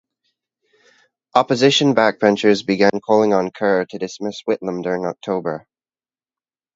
Opposition backbenchers began calling on Kerr to dismiss Whitlam during October.